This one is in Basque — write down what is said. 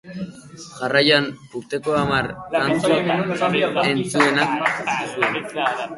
Jarraian, urteko hamar kantu entzunenak dituzue.